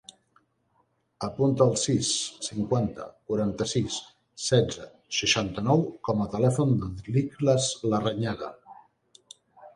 Apunta el sis, cinquanta, quaranta-sis, setze, seixanta-nou com a telèfon de l'Ikhlas Larrañaga.